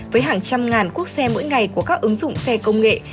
với hàng trăm ngàn quốc xe mỗi ngày của các ứng dụng xe công nghệ